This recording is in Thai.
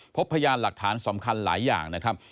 พบพยานหลักฐานสำคัญหลายอย่างนะครับ